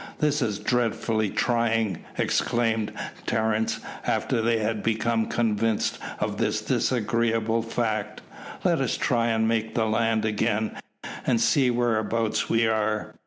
"This is dreadfully trying," exclaimed Terence, after they had become convinced of this disagreeable fact. "Let us try and make the land again, and see whereabouts we are.